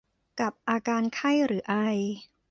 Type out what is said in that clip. กับอาการไข้หรือไอ